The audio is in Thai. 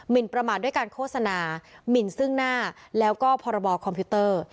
ประมาทด้วยการโฆษณาหมินซึ่งหน้าแล้วก็พรบคอมพิวเตอร์